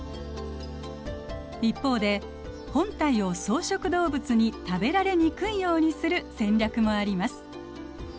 一方で本体を草食動物に食べられにくいようにする戦略もあります。